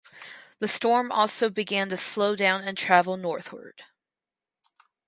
The storm also began to slow down and travel northward.